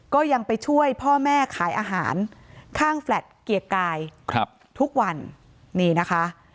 ก็ยังไปช่วยพ่อแม่ขายอาหารข้างแฟลตเกียรติกายครับทุกวันนี่นะคะ